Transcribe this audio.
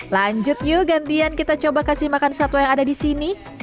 lanjut yuk gantian kita coba kasih makan satwa yang ada di sini